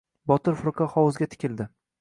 Botir firqa hovuzga tikildi.